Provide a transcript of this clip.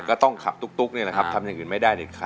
ก็ต้องขับตุ๊กนี่แหละครับทำอย่างอื่นไม่ได้เด็ดขาด